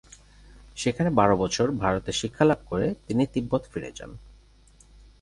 সেখানে বারো বছর ভারতে শিক্ষালাভ করে তিনি তিব্বত ফিরে যান।